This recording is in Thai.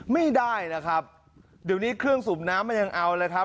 ไม่ได้นะครับเดี๋ยวนี้เครื่องสูบน้ำมันยังเอาเลยครับ